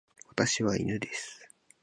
私は犬です。